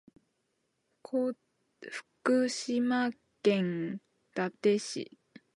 福島県伊達市